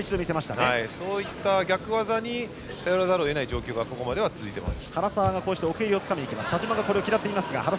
そういった逆技に頼らざるを得ない状況がここまでは続いています。